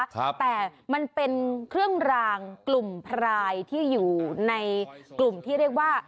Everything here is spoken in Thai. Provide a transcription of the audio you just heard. แต่มันเป็นเครื่องรางกลุ่มพรายที่อยู่ในกลุ่มที่เรียกว่า